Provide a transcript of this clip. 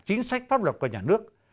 chính sách pháp luật của nhà nước